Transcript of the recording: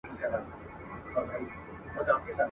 پردي خواړه يا پور دى يا پيغور ..